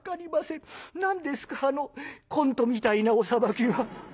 何ですかあのコントみたいなお裁きは。